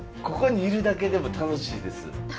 ここにいるだけでも楽しいです。